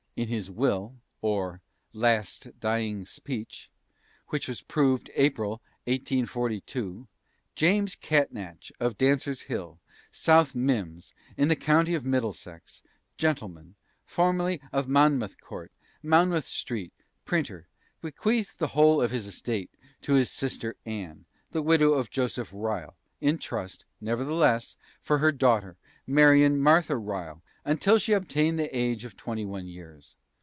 In his Will or LAST DYING SPEECH which was proved April, 1842, "James Catnach, of Dancer's Hill, South Mimms, in the county of Middlesex, gentleman, formerly of Monmouth Court, Monmouth Street, printer, bequeathed the whole of his estate to his sister Anne, the widow of Joseph Ryle, in trust, nevertheless, for her daughter, Marion Martha Ryle, until she obtain the age of twenty one years.